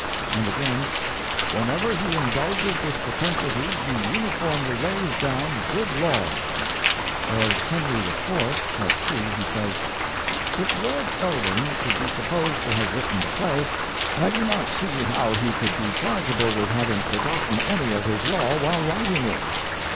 And again: "Whenever he indulges this propensity he uniformly lays down good law." Of "Henry IV.," Part 2, he says: "If Lord Eldon could be supposed to have written the play, I do not see how he could be chargeable with having forgotten any of his law while writing it."